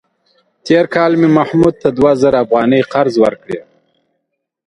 تېر کال مې محمود ته دوه زره افغانۍ قرض ورکړې.